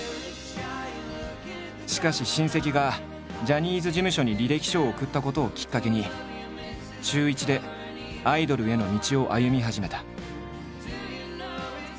しかし親戚がジャニーズ事務所に履歴書を送ったことをきっかけに中１でアイドルへの道を歩み始めた。